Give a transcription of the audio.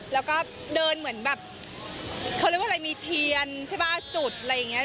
แล้วก็เดินเหมือนแบบเขาเรียกว่าอะไรมีเทียนใช่ป่ะจุดอะไรอย่างนี้